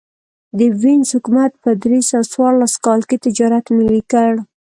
د وینز حکومت په درې سوه څوارلس کال کې تجارت ملي کړ